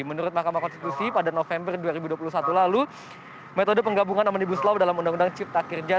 menurut mahkamah konstitusi pada november dua ribu dua puluh satu lalu metode penggabungan omnibus law dalam undang undang cipta kerja